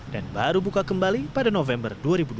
dan baru buka kembali pada november dua ribu dua puluh satu